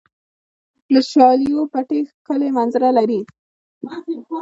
د شالیو پټي ښکلې منظره لري.